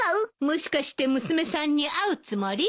もしかして娘さんに会うつもり？